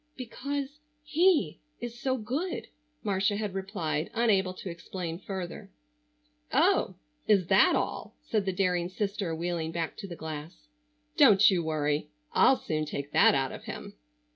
"Because he is so good," Marcia had replied, unable to explain further. "Oh, is that all?" said the daring sister, wheeling back to the glass. "Don't you worry; I'll soon take that out of him."